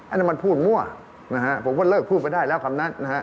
อันนี้มันพูดมั่วนะฮะผมว่าเลิกพูดไปได้แล้วคำนั้นนะฮะ